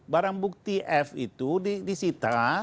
barang bukti f itu disita